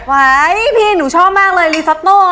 ไหวพี่หนูชอบมากเลยลีซาโต้